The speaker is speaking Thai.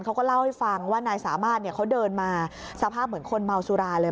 เขาก็เล่าให้ฟังว่านายสามารถเขาเดินมาสภาพเหมือนคนเมาสุราเลย